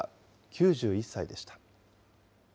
９１歳でした。